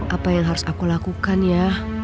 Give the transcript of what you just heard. apa yang harus aku lakukan ya